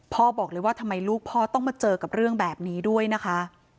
พ่อบอกเลยว่าทำไมลูกพ่อต้องมาเจอกับเรื่องแบบนี้ด้วยนะคะ